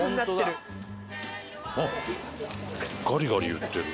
富澤：ガリガリ言ってる。